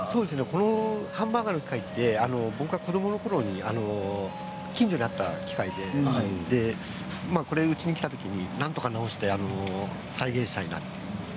このハンバーガーのものは子どものころ近所にあった機械でうちにきた時になんとか直して再現したいと。